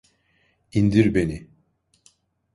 İndir beni!